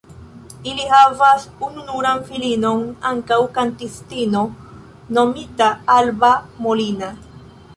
Ili havas ununuran filinon ankaŭ kantistino nomita Alba Molina.